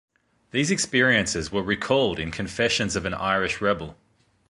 These experiences were recalled in Confessions of an Irish Rebel.